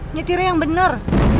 nyetir yang bener